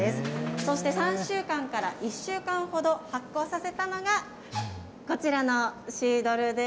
そして３週間から１週間ほど発酵させたのがこちらのシードルです。